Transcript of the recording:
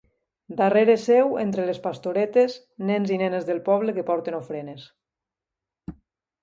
Darrere seu entre les pastoretes, nens i nenes del poble que porten ofrenes.